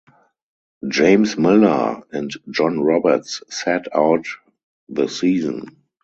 James Miller and John Roberts sat out the season.